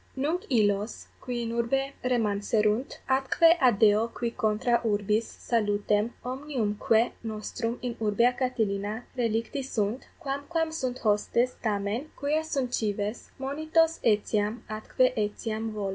_ Nunc illos, qui in urbe remanserunt, atque adeo qui contra urbis 27 salutem omniumque nostrum in urbe a Catilina relicti sunt, quamquam sunt hostes, tamen, quia sunt cives, monitos etiam atque etiam volo.